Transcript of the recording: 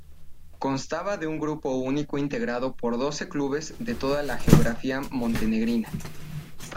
Constaba de un grupo único integrado por doce clubes de toda la geografía montenegrina.